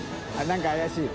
△何か怪しい。